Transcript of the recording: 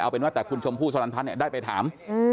เป็นว่าแต่คุณชมพู่สลันพัฒน์ได้ไปถาม